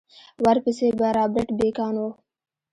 ورپسې به رابرټ بېکان و.